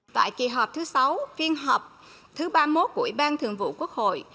tại kỳ họp thứ sáu phiên họp thứ ba mươi một của ủy ban thường vụ quốc hội